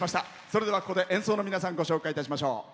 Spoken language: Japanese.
それでは、ここで演奏の皆さんご紹介いたしましょう。